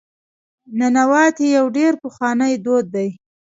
ننواتې یو ډېر پخوانی دود دی.